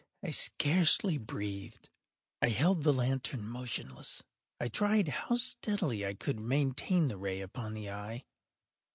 I scarcely breathed. I held the lantern motionless. I tried how steadily I could maintain the ray upon the eve.